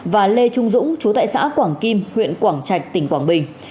và lê trung dũng chú tại xã quảng kim huyện quảng trạch tỉnh quảng bình